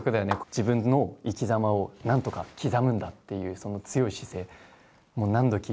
自分の生き様をなんとか刻むんだっていうその強い姿勢。